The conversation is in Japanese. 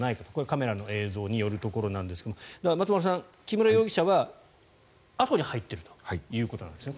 カメラの映像によるところですが松丸さん、木村容疑者はあとに入っているということですね。